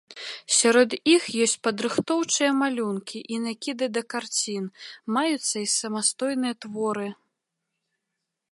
Сярод іх ёсць падрыхтоўчыя малюнкі і накіды да карцін, маюцца і самастойныя творы.